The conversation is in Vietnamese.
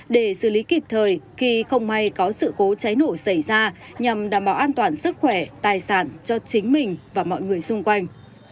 để xử lý kịp thời khi không may có sự cố cháy nổ xảy ra nhằm đảm bảo an toàn sức khỏe tài sản cho chính mình và mọi người xung quanh